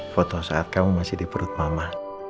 foto saat kamu masih di perut mama